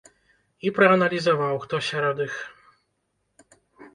І прааналізаваў, хто сярод іх.